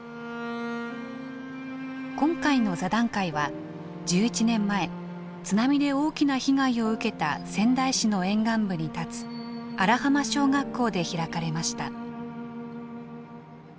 今回の座談会は１１年前津波で大きな被害を受けた仙台市の沿岸部に建つ荒浜小学校で開かれました。